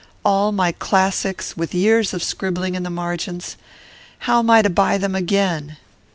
All my classics, with years of scribbling in the margins! How am I to buy them again?